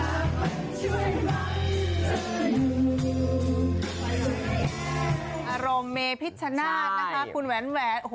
อารมณ์เมภิตชนาติคุณแวนแวด